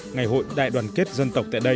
ngày hội đại đoàn kết dân tộc tại đây